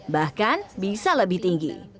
bahkan bisa lebih tinggi